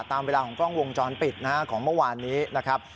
ตามเวลาของกล้องวงจรปิดนะฮะของเมื่อวานนี้นะครับ